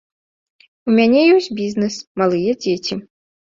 У мяне ёсць бізнэс, малыя дзеці.